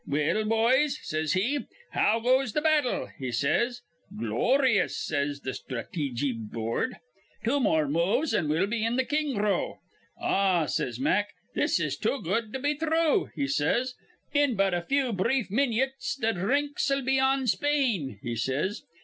'Well, boys,' says he, 'how goes th' battle?' he says. 'Gloryous,' says th' Sthrateejy Board. 'Two more moves, an' we'll be in th' king row.' 'Ah,' says Mack, 'this is too good to be thrue,' he says. 'In but a few brief minyits th' dhrinks'll be on Spain,' he says.